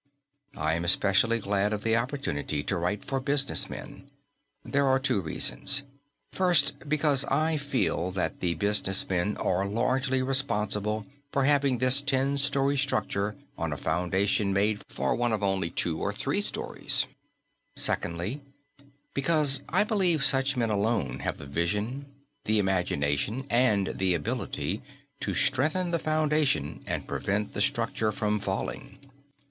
I am especially glad of the opportunity to write for business men. There are two reasons: first, because I feel that the business men are largely responsible for having this ten story structure on a foundation made for one of only two or three stories; secondly, because I believe such men alone have the vision, the imagination and the ability to strengthen the foundation and prevent the structure from falling.